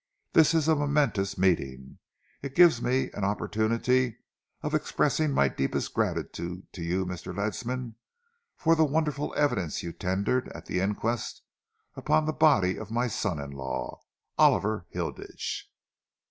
This is a momentous meeting. It gives me an opportunity of expressing my deep gratitude to you, Mr. Ledsam, for the wonderful evidence you tendered at the inquest upon the body of my son in law, Oliver Hilditch."